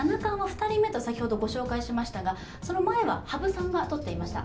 先ほどご紹介しましたが、その前は羽生さんが取っていました。